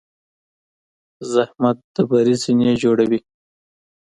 زحمت د بری زینې جوړوي.